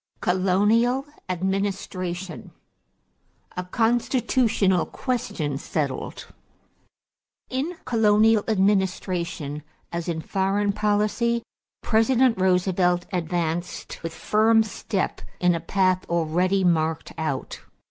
COLONIAL ADMINISTRATION =A Constitutional Question Settled.= In colonial administration, as in foreign policy, President Roosevelt advanced with firm step in a path already marked out.